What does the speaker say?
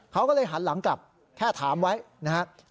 เขาก็เลยหันหลังกลับแค่ถามไว้นะครับ